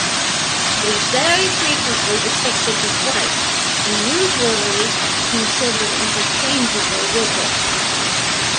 It is very frequently depicted as white and usually considered interchangeable with it.